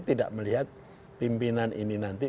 tidak melihat pimpinan ini nanti